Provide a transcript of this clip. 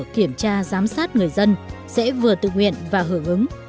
kiểm tra giám sát người dân sẽ vừa tự nguyện và hưởng ứng